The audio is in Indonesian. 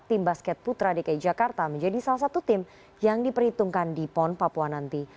tim basket putra dki jakarta menjadi salah satu tim yang diperhitungkan di pon papua nanti